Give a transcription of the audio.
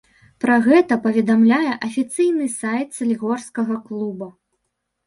Пра гэта паведамляе афіцыйны сайт салігорскага клуба.